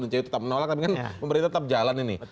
icw tetap menolak tapi kan pemerintah tetap jalan ini